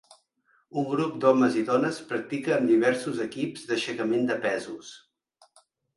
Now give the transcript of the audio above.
Un grup d'homes i dones practica amb diversos equips d'aixecament de pesos.